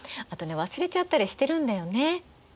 あとね忘れちゃったりしてるんだよね。